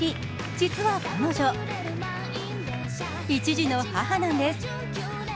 実は彼女、一児の母なんです。